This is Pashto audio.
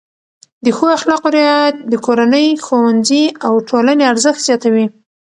د ښو اخلاقو رعایت د کورنۍ، ښوونځي او ټولنې ارزښت زیاتوي.